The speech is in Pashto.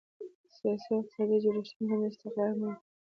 سیاسي او اقتصادي جوړښتونه هم استقرار مومي.